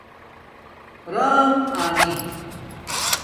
رام آنی